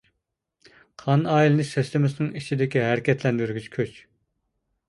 قان ئايلىنىش سىستېمىسىنىڭ ئىچىدىكى ھەرىكەتلەندۈرگۈچ كۈچ.